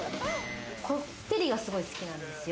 こってりが、すごい好きなんですよ。